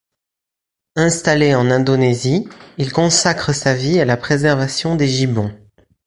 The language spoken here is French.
Installé en Indonésie, il consacre sa vie à la préservation des gibbons.